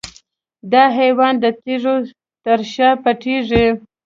دا حیوان د تیږو تر شا پټیږي.